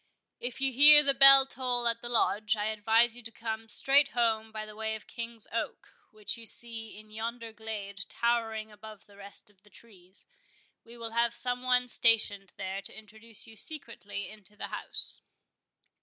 If you hear the bell toll at the Lodge, I advise you to come straight home by the way of the King's Oak, which you see in yonder glade towering above the rest of the trees. We will have some one stationed there to introduce you secretly into the house."